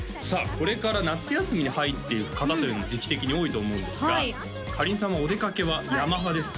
これから夏休みに入っていく方というのが時期的に多いと思うんですがはいかりんさんはお出かけは山派ですか？